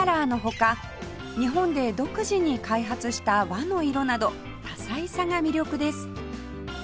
日本で独自に開発した和の色など多彩さが魅力です